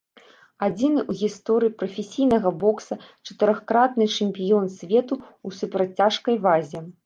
Адзіны ў гісторыі прафесійнага бокса чатырохкратны чэмпіён свету ў суперцяжкай вазе.